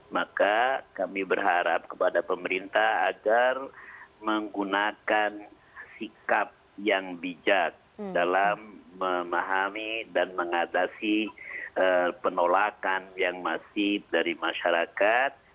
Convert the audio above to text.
maka kami berharap kepada pemerintah agar menggunakan sikap yang bijak dalam memahami dan mengatasi penolakan yang masif dari masyarakat